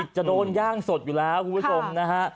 จะโดนย่างสดอยู่แล้วคุณผู้ชมนะฮะ